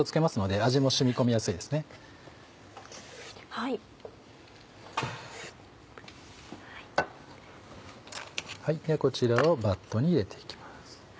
ではこちらをバットに入れて行きます。